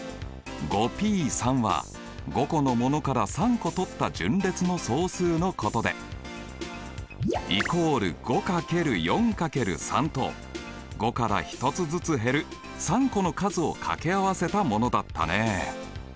Ｐは５個のものから３個とった順列の総数のことでイコール５×４×３と５から１つずつ減る３個の数をかけ合わせたものだったね。